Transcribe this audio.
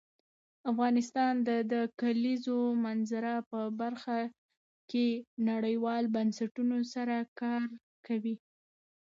افغانستان د د کلیزو منظره په برخه کې نړیوالو بنسټونو سره کار کوي.